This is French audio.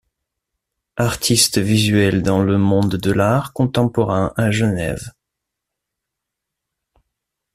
Artiste visuel dans le monde de l’art contemporain à Genève.